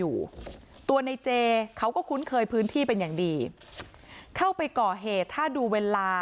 อยู่ตัวในเจเขาก็คุ้นเคยพื้นที่เป็นอย่างดีเข้าไปก่อเหตุถ้าดูเวลา